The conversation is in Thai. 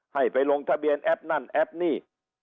ให้ไปลงทะเบียนแอปนั่นแอปนี่